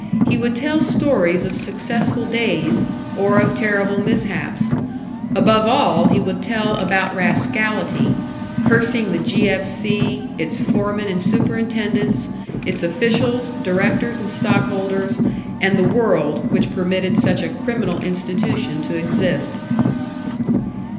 He would tell stories of successful days, or of terrible mishaps. Above all he would tell about rascality cursing the "G. F. C.," its foremen and superintendents, its officials, directors and stock holders, and the world which permitted such a criminal institution to exist.